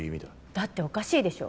だっておかしいでしょ。